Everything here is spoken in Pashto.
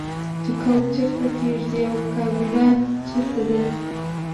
چې کوچ چیرته کیږدئ او کابینه چیرته